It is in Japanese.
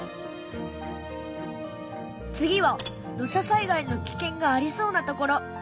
次は土砂災害の危険がありそうな所。